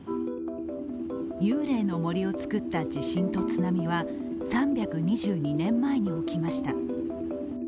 幽霊の森を作った地震と津波は、３２２年前に起きました。